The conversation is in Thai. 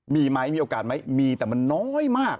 มีไหมมีโอกาสไหมมีแต่มันน้อยมาก